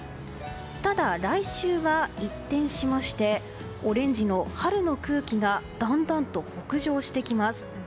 ただ、来週は一転してオレンジの春の空気がだんだんと北上してきます。